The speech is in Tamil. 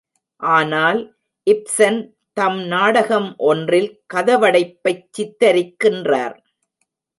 ஆனால், இப்ஸன் தம் நாடகம் ஒன்றில் கதவடைப்பைச் சித்திரிக்கின்றார்.